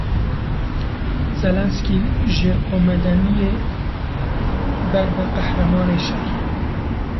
Zelensky ji komedyeniyê ber bi Qehremanê Şer.